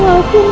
minah aku mohon